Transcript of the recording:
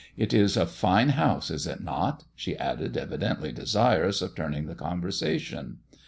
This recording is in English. It is a fine house, is it not ?" she added, evidently desirous of turning the conversation.